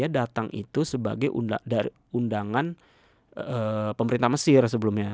nah dia datang itu sebagai undangan pemerintah mesir sebelumnya